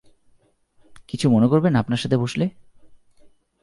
কিছু মনে করবেন আপনার সাথে বসলে?